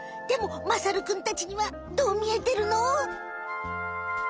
でもまさるくんたちにはどう見えてるの？